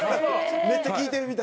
めっちゃ聞いてるみたい。